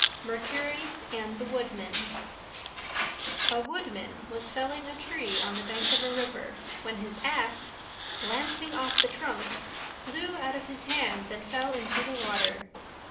MERCURY AND THE WOODMAN A Woodman was felling a tree on the bank of a river, when his axe, glancing off the trunk, flew out of his hands and fell into the water.